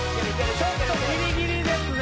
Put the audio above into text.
ちょっとギリギリですね